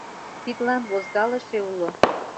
Тидлан возгалыше уло.